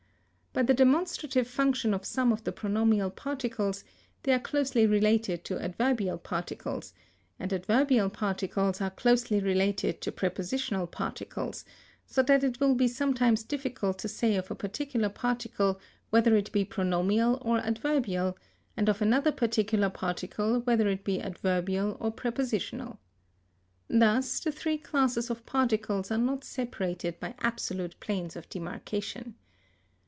By the demonstrative function of some of the pronominal particles, they are closely related to adverbial particles, and adverbial particles are closely related to prepositional particles, so that it will be sometimes difficult to say of a particular particle whether it be pronominal or adverbial, and of another particular particle whether it be adverbial or prepositional. Thus the three classes of particles are not separated by absolute planes of demarkation.